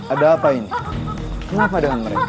ada apa ini kenapa dengan mereka